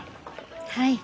はい。